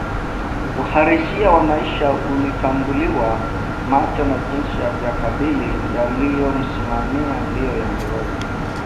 Uhalisia wa maisha ulimtumbulia macho na jinsi ya kuyakabili yaliyomsimamia ndiyo yangeweza